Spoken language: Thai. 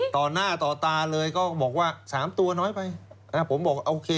ต่อหน้าต่อตาเลยก็บอกว่าสามตัวน้อยไปผมบอกโอเค